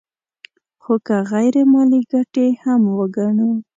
خو که غیر مالي ګټې هم وګڼو